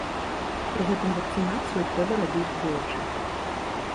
Пры гэтым вакцынацыю трэба рабіць двойчы.